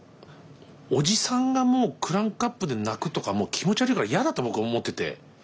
おじさんがもうクランクアップで泣くとかもう気持ち悪いから嫌だと僕は思ってて。